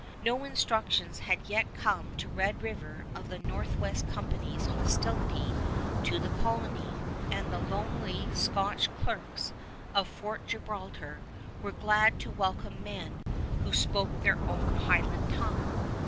No instructions had yet come to Red River of the Northwest Company's hostility to the colony, and the lonely Scotch clerks of Fort Gibraltar were glad to welcome men who spoke their own Highland tongue.